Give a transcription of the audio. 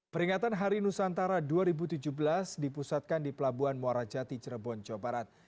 peringatan hari nusantara dua ribu tujuh belas dipusatkan di pelabuhan muarajati cirebon jawa barat